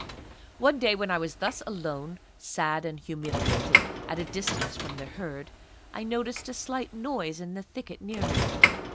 One day when I was thus alone, sad and humiliated, at a distance from the Herd, I noticed a slight noise in the thicket, near me.